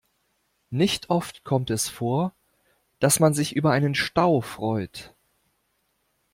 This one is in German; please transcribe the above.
Nicht oft kommt es vor, dass man sich über einen Stau freut.